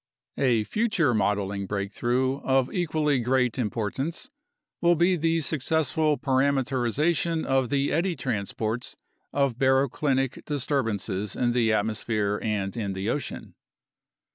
A future modeling breakthrough of equally great importance will be the successful parameterization of the eddy transports of baroclinic disturbances in the atmosphere and in the ocean.